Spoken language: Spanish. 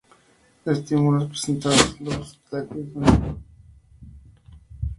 Estímulos presentados: luz, táctil, sonido, destapar las sábanas.